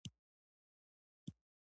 ښه نامي هغه وو چې په لښته ټینګ او مقاوم وو.